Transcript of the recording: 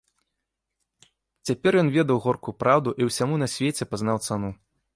Цяпер ён ведаў горкую праўду і ўсяму на свеце пазнаў цану.